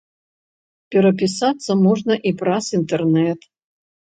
Перапісацца можна і праз інтэрнэт.